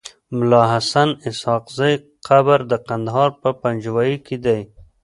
د ملاحسناسحاقزی قبر دکندهار په پنجوايي کیدی